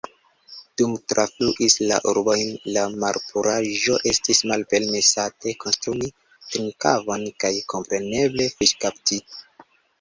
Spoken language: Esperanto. Dum trafluis la urbojn la malpuraĵo, estis malpermesate konsumi trinkakvon kaj kompreneble fiŝkapti.